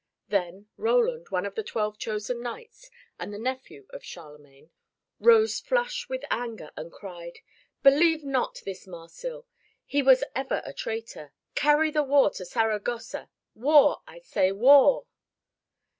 Then Roland, one of the twelve chosen knights and the nephew of Charlemagne, rose flushed with anger and cried, "Believe not this Marsil, he was ever a traitor. Carry the war to Saragossa. War! I say war!"